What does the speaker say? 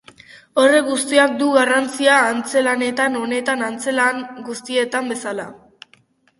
Horrek guztiak du garrantzia antzezlan honetan, antzezlan guztietan bezala.